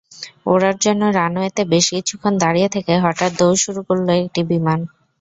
ওড়ার জন্য রানওয়েতে বেশ কিছুক্ষণ দাঁড়িয়ে থেকে হঠাৎ দৌড় শুরু করল একটি বিমান।